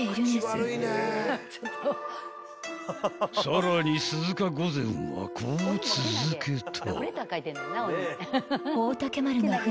［さらに鈴鹿御前はこう続けた］